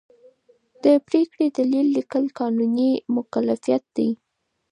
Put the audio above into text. د پرېکړې دلیل لیکل قانوني مکلفیت دی.